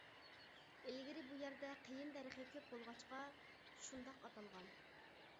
ئىلگىرى بۇ يەردە قېيىن دەرىخى كۆپ بولغاچقا شۇنداق ئاتالغان.